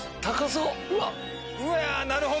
うわなるほど！